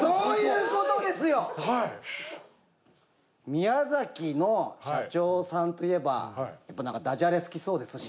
宮崎の社長さんといえばやっぱなんかダジャレ好きそうですし。